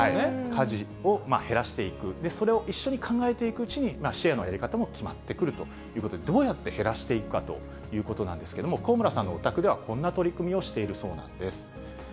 家事を減らしていく、それを一緒に考えていくうちに、シェアのやり方も決まってくるということで、どうやって減らしていくかということなんですけれども、香村さんのお宅では、こんな取り組みをしているそうなんです。